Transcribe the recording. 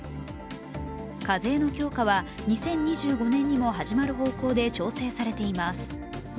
課税の強化は２０２５年にも始まる方向で調整されています。